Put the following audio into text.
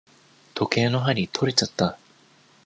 時計の針とれちゃった。